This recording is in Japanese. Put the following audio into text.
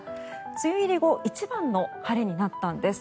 梅雨入り後一番の晴れになったんです。